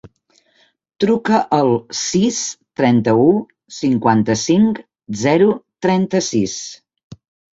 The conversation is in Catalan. Truca al sis, trenta-u, cinquanta-cinc, zero, trenta-sis.